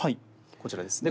こちらですね。